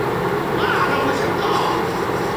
讓我想到